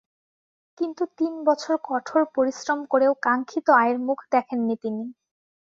কিন্তু তিন বছর কঠোর পরিশ্রম করেও কাঙ্ক্ষিত আয়ের মুখ দেখেননি তিনি।